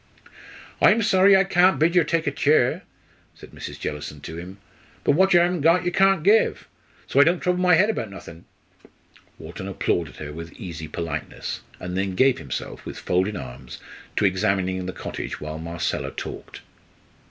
"I'm sorry I can't bid yer take a cheer," said Mrs. Jellison to him, "but what yer han't got yer can't give, so I don't trouble my head about nothink." Wharton applauded her with easy politeness, and then gave himself, with folded arms, to examining the cottage while Marcella talked.